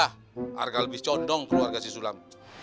nah arga lebih condong keluarga si sulam